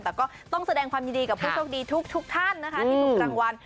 แต่ก็ต้องแสดงความยินดีกับผู้โชคดีทุกท่านนะคะที่ถูกรางวัล